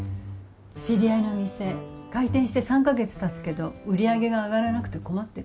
知り合いのお店開店して３か月たつけど売り上げが上がらなくて困ってる。